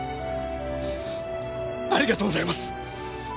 ありがとうございます！